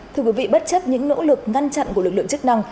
thưa quý vị bất chấp những nỗ lực ngăn chặn của lực lượng chức năng